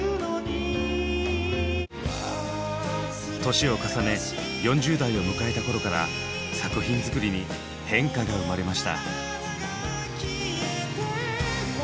年を重ね４０代を迎えた頃から作品作りに変化が生まれました。